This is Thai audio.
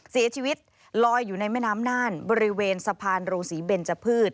เสียชีวิตลอยอยู่ในแม่น้ำน่านบริเวณสะพานรูศรีเบนจพืช